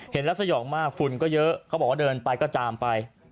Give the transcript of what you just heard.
เห็นแล้วสยองมากฝุ่นก็เยอะเขาบอกว่าเดินไปก็จามไป